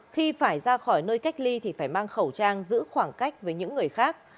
khi phải ra khỏi nơi cách ly thì phải mang khẩu trang giữ khoảng cách với những người khác